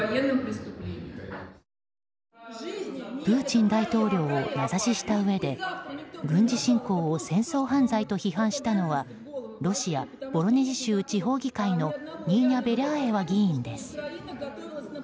プーチン大統領を名指ししたうえで軍事侵攻を戦争犯罪と批判したのはロシア・ボロネジ州地方議会のニーナ・ベリャーエワ議員です。